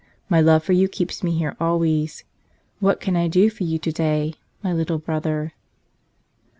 My love for you keeps Me here always. What can I do for you today, My little brother?"